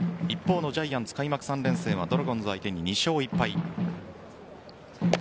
一方のジャイアンツは開幕３連戦はドラゴンズ相手に２勝１敗。